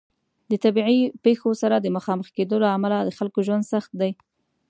د طبیعي پیښو سره د مخامخ کیدو له امله د خلکو ژوند سخت دی.